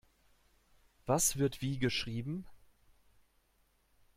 Was wird wie geschrieben?